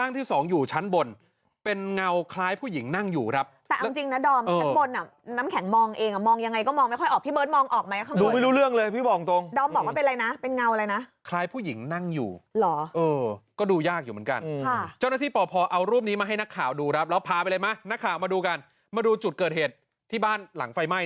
อ่าตาเขาตาดำเหรอเหมือนยืนจ้องมองออกมาพี่น้ำแข็ง